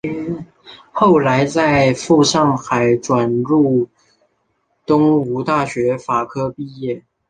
后在赴上海转入东吴大学法科毕业。